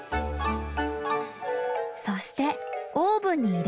そしてオーブンに入れる。